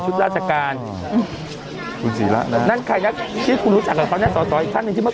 คุณรู้สึก